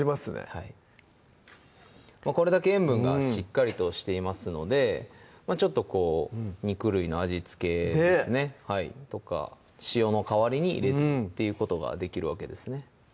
はいこれだけ塩分がしっかりとしていますのでちょっとこう肉類の味付けですねねっとか塩の代わりに入れるっていうことができるわけですね